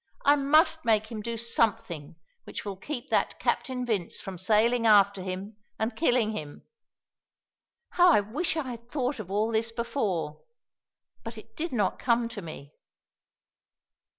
I must make him do something which shall keep that Captain Vince from sailing after him and killing him. How I wish I had thought of all this before. But it did not come to me."